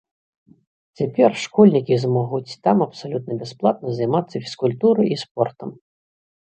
Цяпер школьнікі змогуць там абсалютна бясплатна займацца фізкультурай і спортам.